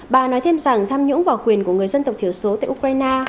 bà nói thêm rằng tham nhũng vào quyền của người dân tộc thiểu số tại ukraine